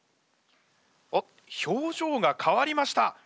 あっ表情が変わりました。